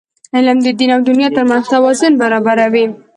علم د دین او دنیا ترمنځ توازن برابروي.